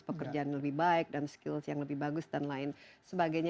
pekerjaan lebih baik dan skills yang lebih bagus dan lain sebagainya